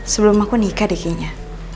sebelum aku nikah dikinya